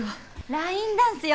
ラインダンスよ。